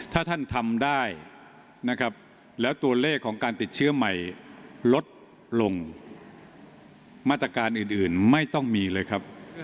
ถ้าท่านทำได้นะครับแล้วตัวเลขของการติดเชื้อใหม่ลดลงมาตรการอื่นไม่ต้องมีเลยครับ